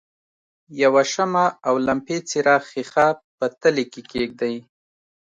یوه شمع او لمپې څراغ ښيښه په تلې کې کیږدئ.